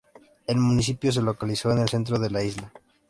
El municipio se localiza en el centro de la isla.